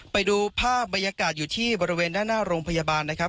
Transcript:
ไปดูภาพบรรยากาศอยู่ที่บริเวณด้านหน้าโรงพยาบาลนะครับ